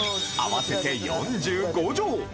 合わせて４５畳。